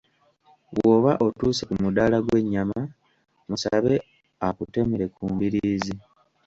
Bw'oba otuuse ku muddaala gw'ennyama musabe akutemere ku mbiriizi.